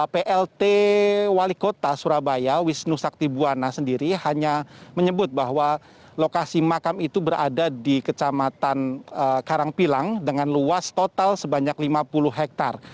plt wali kota surabaya wisnu sakti buwana sendiri hanya menyebut bahwa lokasi makam itu berada di kecamatan karangpilang dengan luas total sebanyak lima puluh hektare